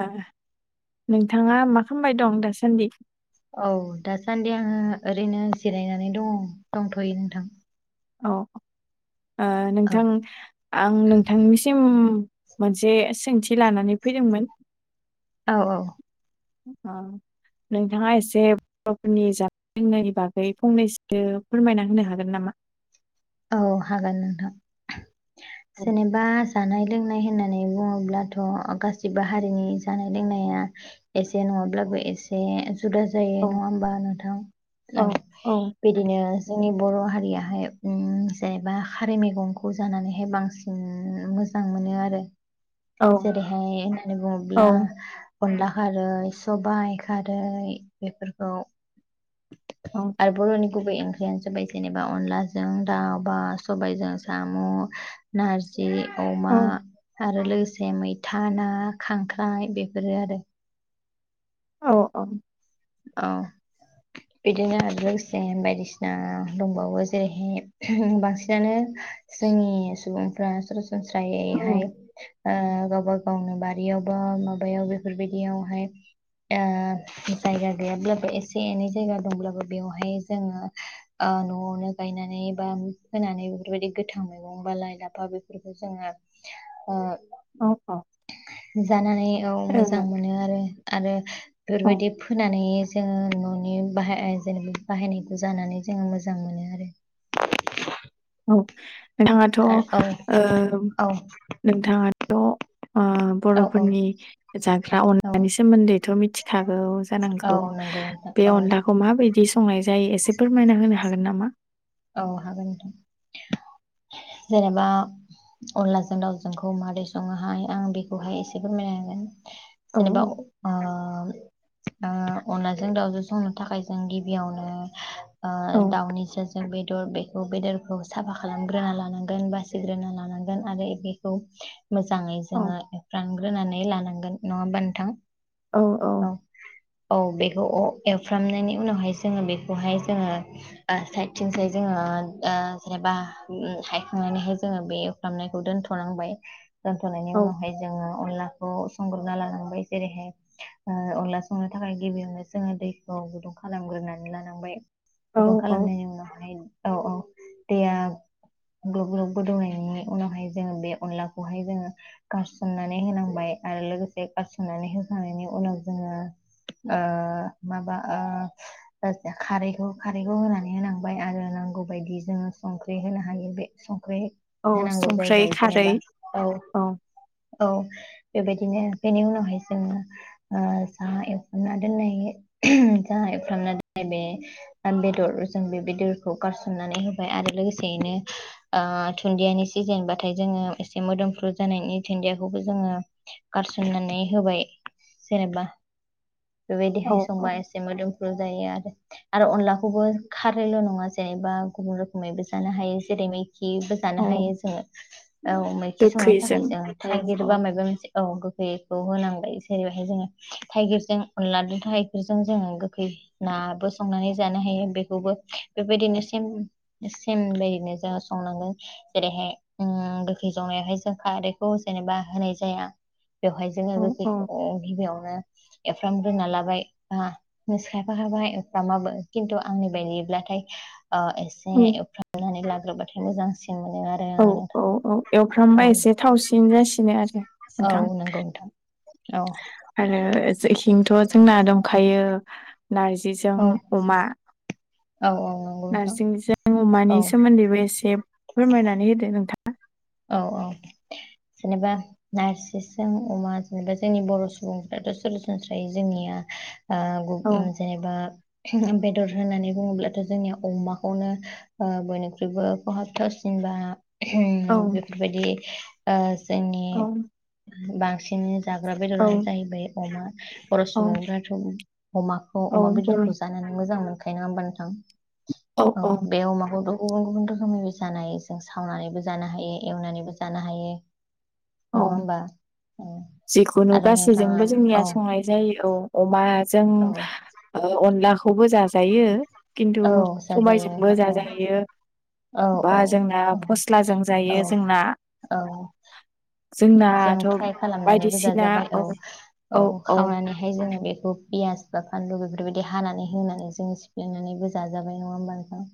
ओ नोंथाङा मा खालामबाय दं दासान्दि औ दासान्दि आङो ओरैनो जिरायनानै दङ दंथ'यो नोंथां। औ ओ औ नोंथां आं नोंथांनिसिम। मोनसे सोंथि लानानै फैदोंमोन। औ औ। उम। नोंथाङा एसे बर'फोरनि जानाय लोंनायनि बागै फंनैसो फोरमायना होनो हागोन नामा? औ हागोन नोंथां औ जेनेबा। जानाय लोंनाय होननानै बुं बुङोब्लाथ' गासिबो हारिनि जानाय लोंनाया एसे नङाब्लाबो एसे जुदा जायो औ नङा होमबा नोंथां औ बिदिनो जोंनि बर' हारियाहाय उम जेनेबा खारै मैगंखौ जानानैहाय बांसिन मोजां मोनो आरो। औ जेरैहाय होन्नानै बुङोब्ला औ अनला खारै सबाइ खारै बेफोरखौ औ आरो बर'नि गुबै ओंख्रियानो जाबाय जेनेबा अनला जों दाउ बा सबायजों साम' नारजि जि औ अमा आरो लो से मैथा ना खांख्राइ बेफोरो आरो। औ औ। औ। बिदिनो लोगोसे बायदिसिना दंबावो जेरैहाय उम बांसिनानो जोंनि सुबुंफ्रा सरासनस्रायैहाय ओ गावबा गावनो बारियाव बा माबायाव बेफोरबायदियावहाय ओ जायगा गैयाब्लाबो एसे एनै जायगा दंब्लाबो बेयावहाय जोङो ओ न'आवनो गायनानै नै बा होनानै बेफोरबायदि गोथां मैगं बा लाइ लाफा बेफोरखौ जोङो ओ औ जानानै औ मोजां मोनो आरो आरो बेफोरबायदि नै जोङो न'नि बाहाय जेनेबा बाहायनायखौ जानानै जोङो मोजां मोनो आरो। [unintelligible] औ नोंथाङाथ' ओ आरो औ नोंथाङाथ' ओ औ औ बर'फोरनि जाग्रा औ अनलानि सोमोन्दैथ' मिथिखागौ औ जानांगौ। नंगौ नोंथां बे औ अनलाखौ माबायदि संनाय जायो एसे फोरमायना होनो हागोन नामा? औ हागोन नोंथां जेनेबा। अनलाजों दाउजोंखौ मादै सङोहाय आं बेखौहाय एसे फोरमायना होगोन। औ जेनेबा ओ ओ अनलाजों दाउजों संनो थाखाय जों गिबियावनो ओ औ दावनि बेदर बेखौ बेदरखौ साफा खालामग्रोना लानांगोन बासिग्रोना लानांगोन आरो बेखौ मोजाङै औ जोङो एफ्रांग्रोनानै लानांगोन नङा होमबा नोंथां। औ औ। औ बेखौ एवफ्रामनायनि उनावहाय जोङो बेखौहाय जोङो ओ साइद थिंसाय जोङो ओ जेनेबा उम हायखांनानैहाय जोङो बे एवफ्रामनायखौ दोनथ'नांबाय दोनथ'नायनि औ उनावहाय जोङो अनलाखौ संग्रोना लानांबाय जेरैहाय ओ अनला संनो थाखाय गिबियावनो जोङो दैखौ गुदुं खालामगोन नानै लानांबाय औ गुदुं औ खालामनायनि उनावहाय औ औ दैयाव ग्लब ग्लब गोदौनायनि उनावहाय जोङो बे अनलाखौहाय जोङो गारसननानै होनांबाय आरो लोगोसे गारसननानै होखांनायनि उनाव जोङो ओ माबा ओ खारैखौ खारैखौ होनानै होनांगौ आरो नांगौ बायदि जोङो संख्रि होनो हायो बे रै औ होनांगौ संख्रै जाहैबाय खारै जेनेबा औ औ बेबायदिनो बेनि उनावहाय जोङो ओ जा एवनना दोननाय जाय खालामनाय बे बेदरजों बे बे दैखौ गारसननानै होबाय आरो लोगोसेयैनो ओ दुन्दियानि सिजेनबाथाय जोङो से मोदोमफ्रु जानायनि दुुनदियाखौबो जोङो गारसननानै होबाय जेनेबा औ बेबायदिहाय औ संबा एसे मोदोमप्रु जायो आरो अनलाखौबो खार ल'नङा जायोबा गुबुन रोखोमैबो जानो हायो जेरै मैखिबो औ जानो हायो जोङो औ मैखि संनो थाखाय गोखैजों जों औ थाइगिर औ बा माइबा मोनसे औ बेखौ होनांगौ जेरै हाय जोङो थाइगिरजों अनला थाइगिरजों जोङो गोखै ना नाबो संनानै जानो हायो बेखौबो बेबायदिनो सेम सेम बायदिनो जोङा संनांगोन जेरैहाय ओम गोखै संनायावहाय जों खारैखौ जेनेबा होनाय जाया बेवहाय जोङो औ औ गोैखौ गिबियावनो एवफ्राम रोना लाबायस खायफा खायफ एफ्रामाबो खिन्थु आंनि बायदि नाथाय ओ एसे एवफ्रामनानै लाग्रोबाथाय मोजांसिन मोनो आरो औ आङो नोंथां औ औ एवफ्रामबा औ एसे थावसिन जासिनो आरो औ नोंथां नंगौ नोंथां औ आरो इखिंथ' जोंना दंखायो नारजिजों औ अमा औ औ नंगौ नोंथां नारजिजों अमानि औ सोमोन्दैबो एसे फोरमायनानै दे नोंथां औ औ जेनेबा नारजिजों अमा जेनेबा जोंनि बर' सुबुंफ्राथ' सरासनस्रायै जोंनिया ओ गु औ जेनेबा बे बेदर होननानै बुङोब्लाथ' जोंनिया अमाखौनो ओ बयनिख्रुइबो खहाबथावसिन बा औ बेफोरबायदि ओ जोंनि औ बांसिन जाग्रा बेदरानो जाहैबाय अमा बर' औ सुबुंफ्राथ अमाखौ औ अमा बर' बेदरखौ जानानै मोजां मोनखायो नङा होमबा नोंथां औ बे अमाखौथ' गुबुन गुबुन रोखोमनिबो जानाय जों सावनानैबो जानो हायो एवनानैबो जानो हायो औ नङा होमबा उम जिखुनु गासैजोंबो जोंनिया संनाय जायो औ अमा जों औ अनलाखौबो जाजायो खिन्थु औ जाजायो सबायजोंबो नोंथां औ जाजायो औ बा औ जोंना औ फस्लाजों औ जायो जोंना औ जोंनाथ' नानै जाजाबाय औ औ खावनानैहाय जो बेखौ पियास बा बानलु बेफोरबायदि हानानै होनानै जोङो सिफ्लेनानैबो जाजाबाय नङा होमबा नोंथां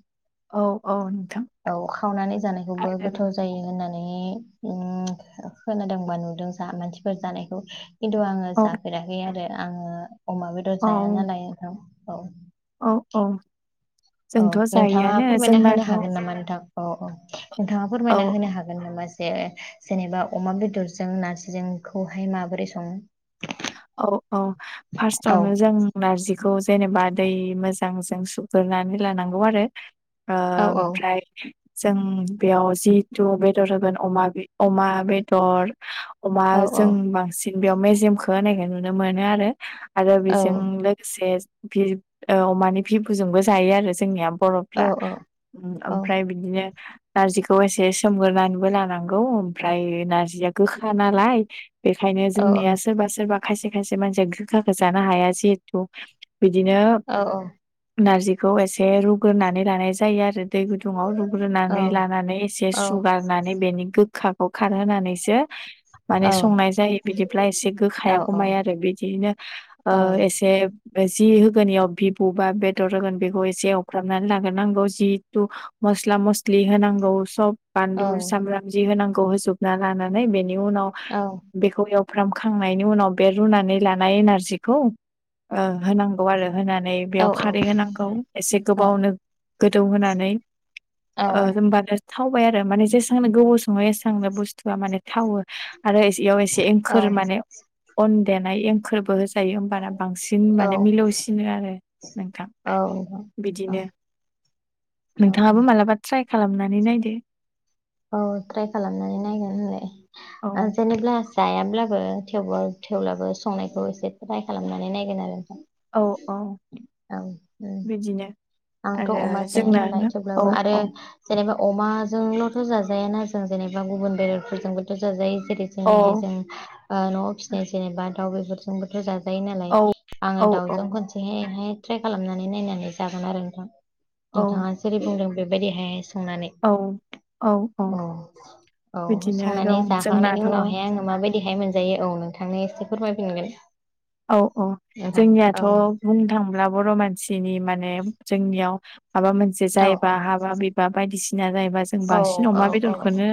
औ औ औ खावनानै जानायखौबो आरो गोथाव जायो होननानै नै उम खोनादोंबा नुदों जा मानसिफोर जानायखौ खिन्थु आङो औ जाफेराखै आरो आङो अमा बेदर औ जाया नालाय ओं औ अ अ औ नोंथाङा फोरमायना होनो हागोन नामा नोंथां अ अ नोंथाङा औ फोरमायना होनो हागोन नामा जे जेनेबा अमा बेदरजों नारजिजोंखौहाय माबोरै सङो? औ औ औ फार्स्टआवनो जों नारजिखौ जेनेबा दै मो जांजों सुग्रनानै लानांगौ आरो ओ औ औ ओमफ्राय जों बेयाव जिथु बेदर होगोन अमा अमा बेदर अमा औ औ जों बांसिन बेयाव मेजेमखौ होनायखौ नुनो मोनो आरो आरो औ बेजों लोगोसे बिब अमानि बिबुजोंबो जायो आरो जोंनिया औ बर'फ्रा औ ओमफ्राय बिदिनो नार्जिखौ एसे सोमगोरनानैबो लानांगौ ओमफ्राय नारजिया गोखा नालाय। बेखायनो जोंनिया सोरबा सोरबा खायसे खायसे मानसिया गोखाखो जानो हाया जिहेथु। बिदिनो औ नारजिखौ एसे रुग्रोनानै लानाय जायो आरो दै गुदुङाव रुग्रोनानै लानानै एसे औ सुगारनानै बेनि गो खाखौ खारहोनानैसो माने संनाय जायो बिदिब्ला एसे गोखाया खमायो आरो बिदिनो ओ एसे जि होगोन इयाव भिबु बा बेदर होगोन बेखौ एसे एवख्राबनानै लाग्रोनांगौ जिथु मस्ला मस्लि होनांगौ सब औ बानलु सामब्राम जि होनांगौ होजोबना लानानै बेनि उनाव औ बेखौ एवफ्राम खांनायनि उनाव बे रुनानै लानाय बे नारजिखौ ओ होनांगौ आरो होनानै औ बेयाव खारै होनांगौ एसे गोबावनो गोदौ होनानै औ ओ होमबानो थावबाय आरो माने जेसेबांनो गोबाव सङो एसेबांनो बुस्थुआ माने थावो आरो इयाव एसे औ फोर माने अन देनाय एंखोरबो हो जायो होमबाना बांसिन औ माने मिलौसिनो आरो नोंथां। औ नोंथां औ बिदिनो औ नोंथाङाबो मालाबा ट्राइ खालामनानै नायदो। औ ट्राइ खालामनानै नायगोन औ होनलाय जेनेब्ला जायाब्लाबो थेवब्लाबो संनायखौ एसे ट्राइ खालामनानै नायगोन आरो नोंथां औ औ औ बिदिनो आंथ' आरो अमा जाया जोंना नालाय थेवब्लाबो औ आरो औ जेनेबा अमा जोंल'थ' जाजायाना जों जेनेबा गुबुन बेदरफोरजोंबोथ' जाजायो। जेरै औ जोंनिहाय जों ओ न'आव फिसिनाय जेनेबा दाउ बेफोरजोंबोथ' जाजायो नालाय। औ आङो औ दाउजों खनसेहायहाय ट्राय खालामनानै नायनानै जागोन आरो नोंथां। औ नोंथाङा जेरै बुंदों बेबायदिहाय संनानै औ औ औ बिदिनो संनानै दं जाखांनायनि जोंनाथ' उनावहाय आङो माबायदि हाय मोनजायो औ नोंथांनो एसे फोरमायफिनगोन। औ औ नोंथां जोंनियाथ' औ बुंनो थांब्ला बर' मानसि नि माने जोंनियाव माबा मोनसे औ जायबा औ हाबा बिबा बायदिसि ना जायोबा जों बांसिन अमा औ औ बेदरखौनो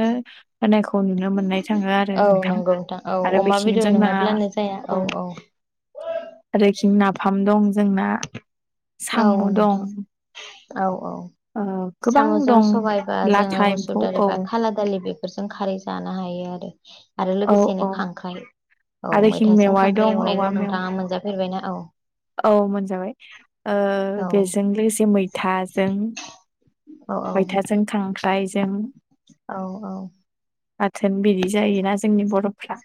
होनायखौ नुनो मोननाय थाङो आरो औ नोंथां। नंगौ औ आरो अमा बेखिं बेदर नङाब्लानो जाया औ औ आरोखि नाफाम दं जोंना औ साम' नोंथां दं। औ औ ओ गोबां साम'जों दं सबाइबा जोङो लाथा मुसुर एम्फौ औ दालिबा खाला दालि बे फोरजों खारै जानो हायो आरो आरो औ लोगोसेनो औ खांख्राइ औ आरो इखिं मैथाजों मेवाइ खांख्राइ दं औवा एवनायखौ मेवा नोंथाङा मोनजाफेरबायना? औ औ मोनजाबाय ओ औ बेजों लोगोसे मैथाजों औ औ मैथाजों खांख्राइजों औ औ बाथोन बिदि जायोना जोंनि बर'फ्रा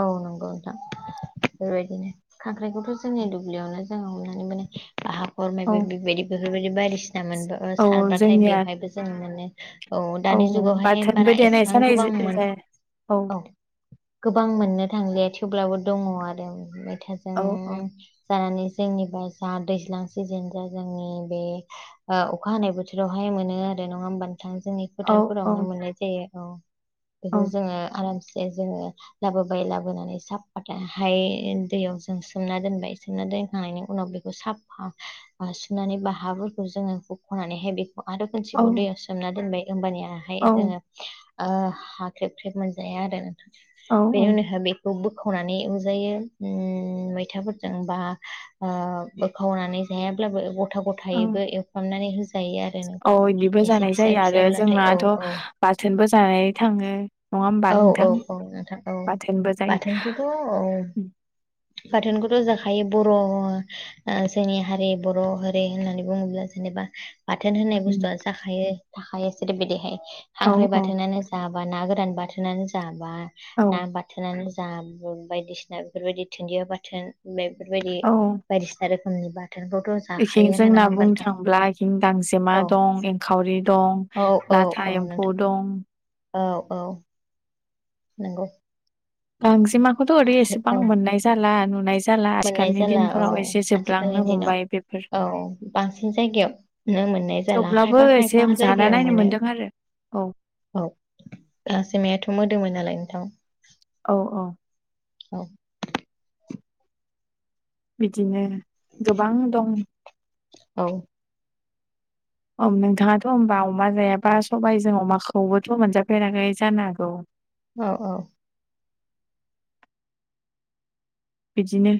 औ नंगौ नोंथां। बेबायदिनो खांख्राइखौथ' जोंनि दुब्लियावनो जोङो हमनानै मोनो बा औ हाखरमायबो बेबायदिबो। बेफोरबायदि बायदिसिना मोनबो औ सारबाथाय जोंनिया बेवहायबो जों मोनो। औ दानि जुगावहाय बाथोनबो बारा देनाय एसेबां जानाय गोबां मोन जाया औ गोबां मोननो थांलिया थेवब्लाबो दङ आरो उम जों औ औ जानानै जोंनिबा जा दैज्लां सिजेन जा जोंनि बे ओ अखा हानाय बोथोरावहाय मोनो आरो नो नङा होनबा नोंथां जोंनि औ फोथारफोरावनो औ मोननाय जायो औ औ बेखौ जोङो आरमसे जोङो लाबोबाय लाबोनानै साफाथहाय दैयाव जों सोमना दोनबाय सोमना दोन खांनायनि उनाव बेखौ साफा ओ सुनानै बाहाफोरखौ जोङो हुख'नानैहाय बे आरो औ खनसेखौ दैयाव सोमना दोनबाय ओमबानिहाय औ जोङो ओ हा ख्रेब-ख्रेब मोनजाया आरो नोंथां औ बेनि उनावाय बेखौ बे बोखावनानै एवजायो उम मैथाफोरजों बा ओ बोखावनानै जाया अब्लाबो गथा औ गथायैबो एवफ्रामनानै होजायो आरो नोंथां औ इदिबो एसे जानाय फिसा जायो आरो फिसाब्लाथाय औ जोंनाथ' औ बाथोनबो जानानै थाङो होमबा औ औ नोंथां औ नोंथां औ बाथोनबो जायो बाथोनखौथ' औ बाथोनखौथ' जाखायो बर' ओ जोंनि हारि बर' हारि होननानै बुङोब्ला जों बा बाथोन होननाय उम बुस्थुआ जाखायो थाखायो जेरै बादिहाय औ खांख्राइ औ बाथोनानो जाबा ना गोरान बाथोनानो जा बा औ ना बाथोनानो बा जा बुथ बायदिसिना बेफोरबायदि दुनदिया बाथोन बे बेफोरबायदि बायदिसिना रोखोमनि बाथोन इखै जोंना बुंनो थांब्ला इखै गांजेमा औ दं एंखावरि दं औ औ लाथा औ एम्फौ नोंथां दं औ औ नंगौ गांजेमाखौथ' ओरै एसेबां औ मोननाय जाला नुनाय जाला मोननाय आथिखालनि जाला औ दिनफोराव एसे आथिखालनि जोबलांनो हमबाय बेफोर दिनाव औ बांसिन जायगायाव मोननाय जाला थेवब्लाबो एसे खायफा-खायफा जाना जायगायाव नायनो मोनो मोनदों आरो औ औ गांजेमायाथ' मोदोमो नालाय नोंथां औ औ औ बिदिनो गोबां दं। औ अम नोंथाङाथ' होनबा अमा जायाबा सबायजों अमाखौबोथ' मोनजाफेराखै जानो हागौ औ औ बिदिनो